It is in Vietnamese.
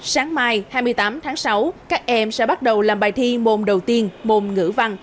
sáng mai hai mươi tám tháng sáu các em sẽ bắt đầu làm bài thi môn đầu tiên môn ngữ văn